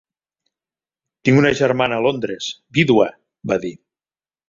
"Tinc una germana a Londres, vídua", va dir.